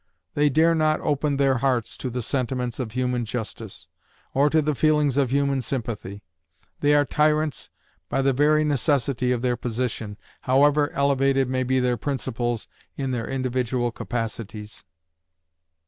They dare not open their hearts to the sentiments of human justice, or to the feelings of human sympathy. They are tyrants by the very necessity of their position, however elevated may be their principles in their individual capacities.